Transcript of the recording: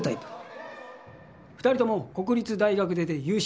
２人とも国立大学出で優秀。